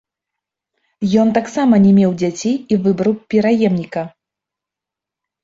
Ён таксама не меў дзяцей і выбраў пераемніка.